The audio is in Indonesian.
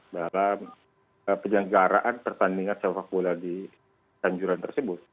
dalam penyelenggaraan pertandingan sel fakulat di tanjuran tersebut